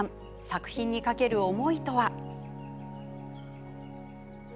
作品に懸ける思いとは。